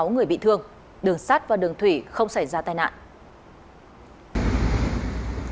hai mươi sáu người bị thương đường sát và đường thủy không xảy ra tai nạn